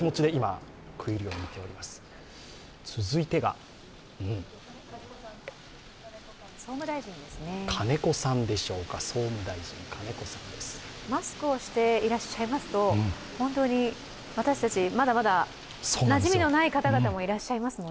マスクをしていらっしゃいますと、本当に私たち、まだまだなじみのない方々もいらっしゃいますので。